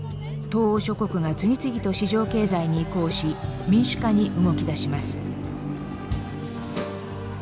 東欧諸国が次々と市場経済に移行し民主化に動きだします。